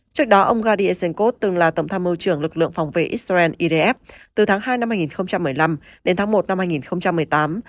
trước đó ông gadiezenkov từng là tổng tham mưu trưởng lực lượng phòng vệ israel idf từ tháng hai năm hai nghìn một mươi năm đến tháng một năm hai nghìn một mươi tám